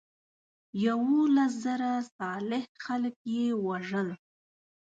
یولس زره صالح خلک یې وژل.